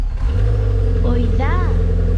Oidà!